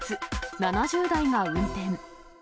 ７０代が運転。